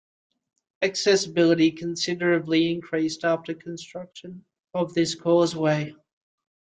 Accessibility considerably increased after construction of this causeway.